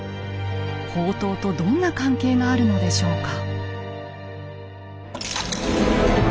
法灯とどんな関係があるのでしょうか？